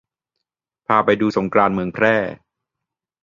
พาไปดูสงกรานต์เมืองแพร่